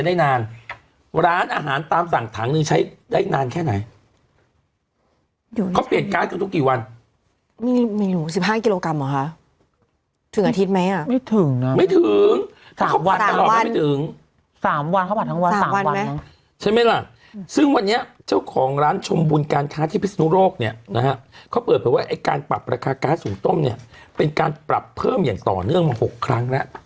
เขาเปลี่ยนการทุกทุกกี่วันไม่รู้สิบห้างกิโลกรัมหรอฮะถึงอาทิตย์ไหมอ่ะไม่ถึงนะไม่ถึงสามวันตลอดไม่ถึงสามวันเขาผ่านทั้งวันสามวันไหมใช่ไหมล่ะซึ่งวันนี้เจ้าของร้านชมบุญการค้าที่พิศนุโรคเนี่ยนะฮะเขาเปิดไปว่าไอ้การปรับราคาการสูงต้มเนี่ยเป็นการปรับเพิ่มอย่างต่อเนื่องหกครั้ง